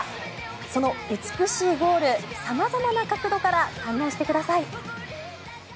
その美しいゴール様々な角度から堪能してください。